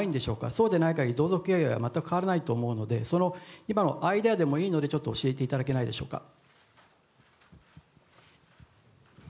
そうでない限り同族経営は変わらないと思うので今の間でもいいので教えていただけないでしょうか。